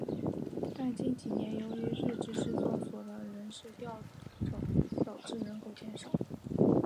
但近几年由于日立制作所的人事调整导致人口减少。